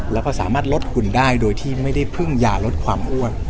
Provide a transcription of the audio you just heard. แล้วก็สามารถลดหุ่นได้โดยที่ไม่ได้พึ่งยาลดความอ้วน